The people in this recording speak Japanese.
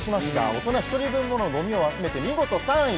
大人一人分ものゴミを集めまして見事３位。